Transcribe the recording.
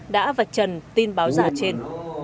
đã vạch chân tin báo giả trên